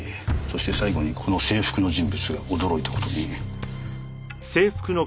そして最後にこの制服の人物が驚いた事に。